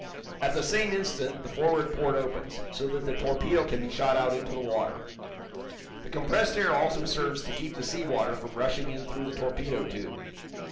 At the same instant the forward port opens, so that the torpedo can be shot out into the water. The compressed air also serves to keep the sea water from rushing in through the torpedo tube.